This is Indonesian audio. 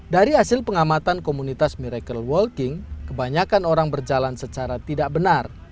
dari hasil pengamatan komunitas miracle walking kebanyakan orang berjalan secara tidak benar